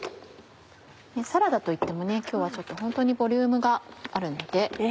サラダといっても今日はちょっとホントにボリュームがあるので。